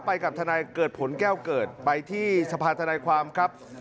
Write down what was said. ไปกับทนายเกิดผลแก้วเกิดไปที่สภาธนายความครับ